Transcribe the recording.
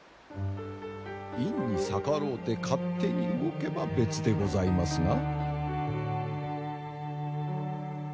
院に逆ろうて勝手に動けば別でございますが。